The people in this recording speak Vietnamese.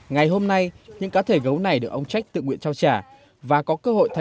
ngày hôm nay nhóm hai cá thể gấu được nuôi nhốt